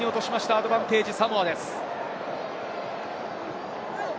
アドバンテージ、サモアです。